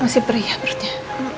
masih perih ya perutnya